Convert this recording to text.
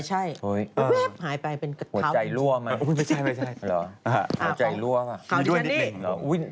หัวใจลั่ว